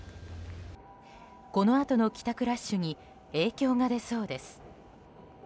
このあとの帰宅ラッシュに影響が出そうです。